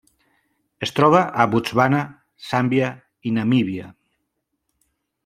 Es troba a Botswana, Zàmbia i Namíbia.